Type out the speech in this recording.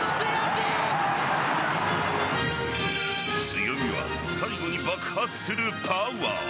強みは最後に爆発するパワー。